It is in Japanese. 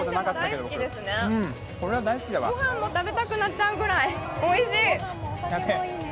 ごはんも食べたくなっちゃうくらい、おいしい。